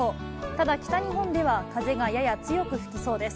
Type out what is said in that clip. ただ北日本では風がやや強く吹きそうです。